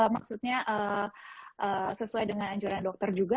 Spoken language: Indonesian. maksudnya sesuai dengan anjuran dokter juga